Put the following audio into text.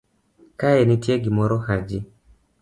kae nitie gimoro Haji